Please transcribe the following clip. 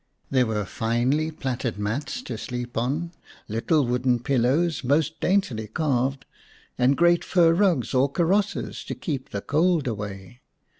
There were finely plaited mats to sleep on, little wooden pillows most daintily carved, and great fur rugs or karosses to keep the cold away.